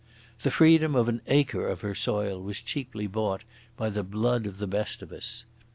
The freedom of an acre of her soil was cheaply bought by the blood of the best of us.